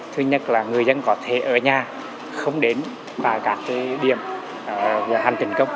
thứ nhất là người dân có thể ở nhà không đến và các điểm hành tình cốc